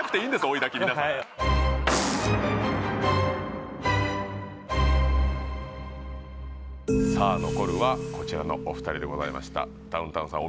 追い焚きみなさんさあ残るはこちらのお二人でございましたダウンタウンさん